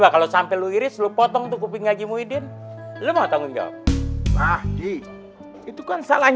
ya alhamdulillah ya enggak terjadi apa apa kan bang